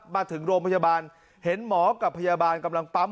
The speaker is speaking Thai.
มาถึงโรงพยาบาลเห็นหมอกับพยาบาลกำลังปั๊ม